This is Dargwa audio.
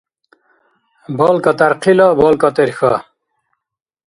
БалкӀа тӀярхъила балкӀа тӀерхьа.